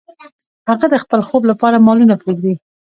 هغه د خپل خوب لپاره مالونه پریږدي.